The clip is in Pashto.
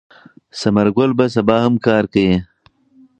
ثمر ګل به سبا هم کار کوي.